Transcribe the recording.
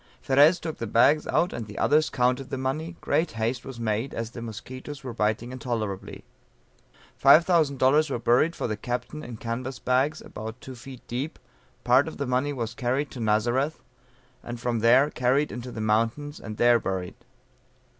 Ferez took the bags out, and the others counted the money; great haste was made as the musquitoes were biting intolerably. $5000 were buried for the captain in canvas bags about two feet deep, part of the money was carried to Nazareth, and from there carried into the mountains and there buried.